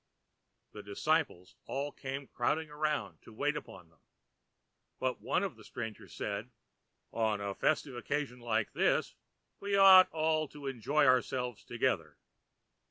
The disciples all came crowding round to wait upon them, but one of the strangers said, ãOn a festive occasion like this we ought all to enjoy ourselves together.